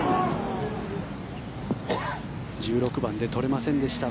１６番で取れませんでした。